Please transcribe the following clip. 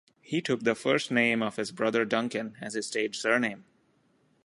He took the first name of his brother Duncan as his stage surname.